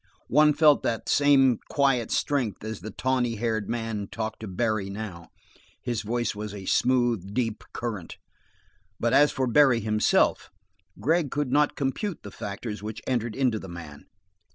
One felt that same quiet strength as the tawny haired man talked to Barry now; his voice was a smooth, deep current. But as for Barry himself, Gregg could not compute the factors which entered into the man.